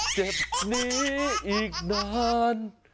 เจ็บนี้อีกนาน